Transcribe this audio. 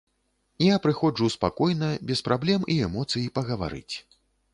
Я прыходжу, спакойна, без праблем і эмоцый, пагаварыць.